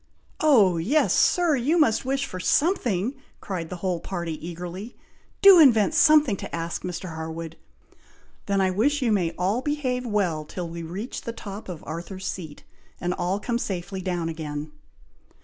"O yes, Sir! you must wish for something!" cried the whole party, eagerly. "Do invent something to ask, Mr. Harwood!" "Then I wish you may all behave well till we reach the top of Arthur's Seat, and all come safely down again."